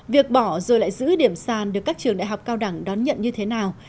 việc bỏ rồi lại giữ điểm sàn được các trường đại học cao đẳng đón nhận như thế nào